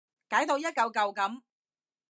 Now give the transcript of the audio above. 解到一舊舊噉